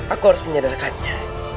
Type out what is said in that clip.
aku harus menyadarkannya